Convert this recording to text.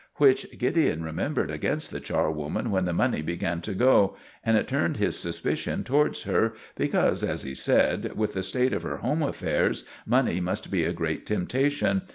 Which Gideon remembered against the charwoman when the money began to go, and it turned his suspicion towards her, because, as he said, with the state of her home affairs, money must be a great temptation.